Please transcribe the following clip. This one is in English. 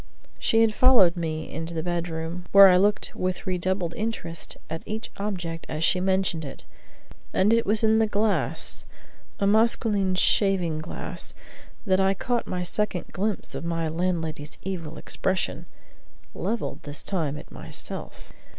She had followed me into the bedroom, where I looked with redoubled interest at each object as she mentioned it, and it was in the glass a masqueline shaving glass that I caught my second glimpse of my landlady's evil expression levelled this time at myself.